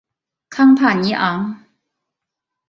康帕尼昂。